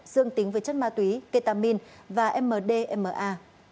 dương tính với chất ma túy ketamin và mdma